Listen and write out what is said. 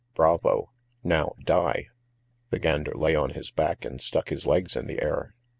Bravo. ... Now die!" The gander lay on his back and stuck his legs in the air.